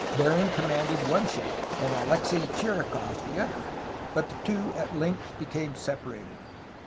Bering com manded one ship, and Alexei Chirikof the other, but the two at length became separated.